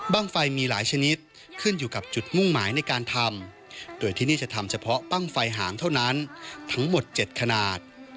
ไฟมีหลายชนิดขึ้นอยู่กับจุดมุ่งหมายในการทำโดยที่นี่จะทำเฉพาะปั้งไฟหามเท่านั้นทั้งหมด๗ขนาด